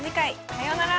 さようなら。